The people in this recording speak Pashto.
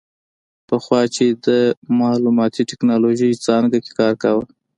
پخوا یې د معلوماتي ټیکنالوژۍ څانګه کې کار کاوه.